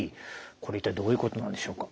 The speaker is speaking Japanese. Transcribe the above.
これ一体どういうことなんでしょうか？